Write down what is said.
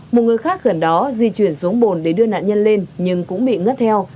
một người khác gần đó di chuyển xuống bồn để đưa nạn nhân lên nhưng cũng bị ngất theo